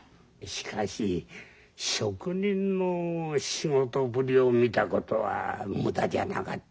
しかし職人の仕事ぶりを見たことは無駄じゃなかったよ。